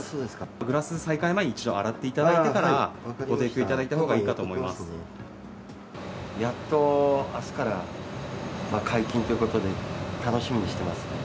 グラス、再開前に一度洗っていただいてから、ご提供いただいたほうがいいやっとあすから解禁ということで、楽しみにしてます。